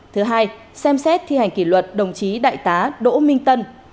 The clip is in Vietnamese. thứ hai xem xét thi hành kỷ luật đồng chí đại tá đỗ minh tân